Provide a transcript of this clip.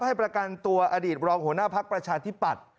ให้ประกันตัวอดีตรองหัวหน้าภักดิ์ประชาธิปัตย์